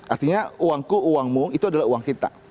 artinya uangku uangmu itu adalah uang kita